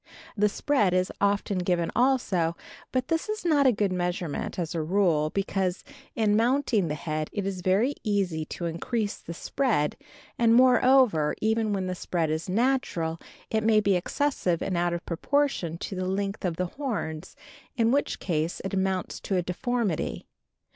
The spread is often given also; but this is not a good measurement, as a rule, because, in mounting the head, it is very easy to increase the spread; and, moreover, even where the spread is natural, it may be excessive and out of proportion to the length of the horns, in which case it amounts to a deformity.